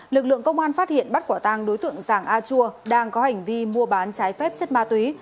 lực lượng công an phát hiện bắt quả tang đối tượng giàng a chua đang có hành vi mua bán trái phép chất ma túy